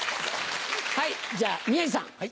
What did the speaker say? はいじゃ宮治さん。